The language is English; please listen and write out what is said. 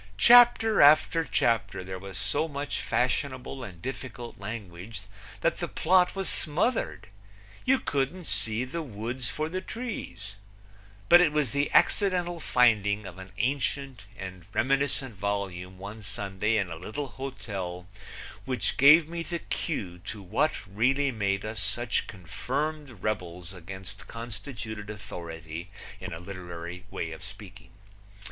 Chapter after chapter there was so much fashionable and difficult language that the plot was smothered. You couldn't see the woods for the trees, But it was the accidental finding of an ancient and reminiscent volume one Sunday in a little hotel which gave me the cue to what really made us such confirmed rebels against constituted authority, in a literary way of speaking.